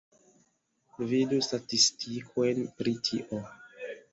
Vidu statistikojn pri tio.